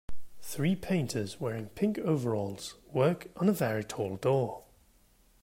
Three painters wearing pink overalls work on a very tall door